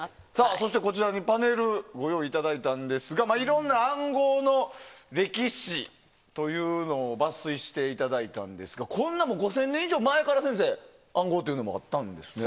そして、こちらにパネルをご用意いただいたんですがいろんな暗号の歴史というのを抜粋していただいたんですが５０００年以上前から暗号ってあったんですね。